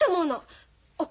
お金